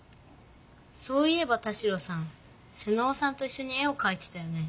そういえば田代さん妹尾さんといっしょに絵をかいてたよね？